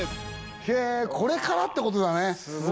へえこれからってことだね